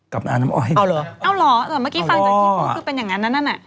กับนาน้ำอ้อยเอาเหรอเอาเหรอเออเมื่อกี้ฟังจากที่พูดคือเป็นอย่างนั้นนั่นอ่ะ